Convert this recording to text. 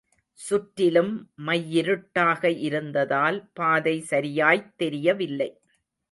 சுற்றிலும் மையிருட்டாக இருந்ததால் பாதை சரியாய்த் தெரியவில்லை.